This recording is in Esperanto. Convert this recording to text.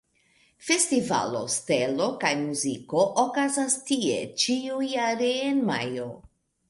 Festivalo "Stelo kaj Muziko" okazas tie ĉiujare en majo.